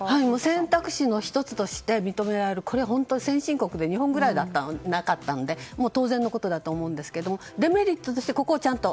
選択肢の１つとして認められるこれは先進国でなかったのは日本くらいしかなかったので当然のことだと思うんですがデメリットとしてここはちゃんと。